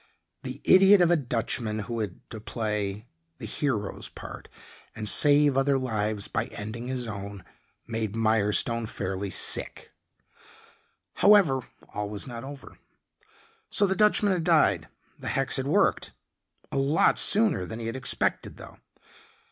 The idiot of a Dutchman who had to play the hero's part and save other lives by ending his own made Mirestone fairly sick. However, all was not over. So the Dutchman had died; the hex had worked a lot sooner than he had expected though.